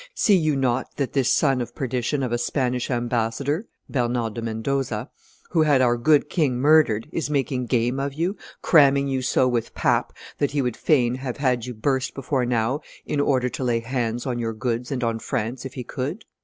See you not that this son of perdition of a Spanish ambassador [Bernard de Mendoza], who had our good king murdered, is making game of you, cramming you so with pap that he would fain have had you burst before now in order to lay hands on your goods and on France if he could?